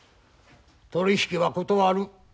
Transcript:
取り引きは断る。